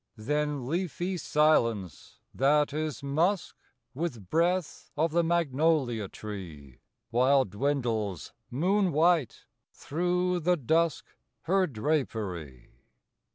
Then leafy silence, that is musk With breath of the magnolia tree, While dwindles, moon white, through the dusk Her drapery.